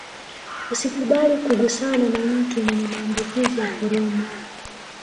usikubali kugusana na mtu mwenye maambukizi ya korona